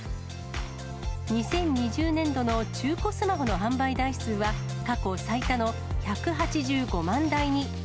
２０２０年度の中古スマホの販売台数は、過去最多の１８５万台に。